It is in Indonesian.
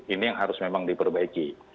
ini yang harus memang diperbaiki